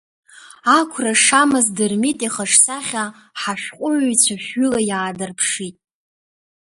Ақәра шамаз Дырмит ихаҿсахьа, ҳашәҟәыҩҩцәа шәҩыла иаадырԥшит.